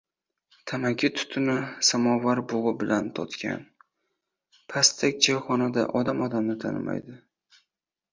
Tamaki tutuni, samovar bug‘i bilan toTgan pastak choyxonada odam odamni tanimaydi.